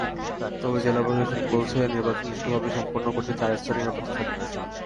তবে জেলা প্রশাসন বলছে, নির্বাচন সুষ্ঠুভাবে সম্পন্ন করতে চার স্তরের নিরাপত্তা থাকবে।